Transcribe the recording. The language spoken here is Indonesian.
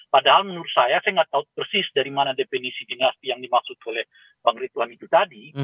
padahal menurut saya saya nggak tahu persis dari mana definisi dinasti yang dimaksud oleh bang rituan itu tadi